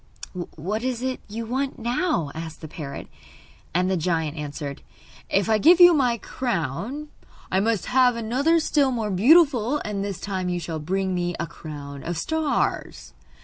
'What is it you want now?' asked the parrot; and the giant answered: 'If I give you my crown I must have another still more beautiful; and this time you shall bring me a crown of stars.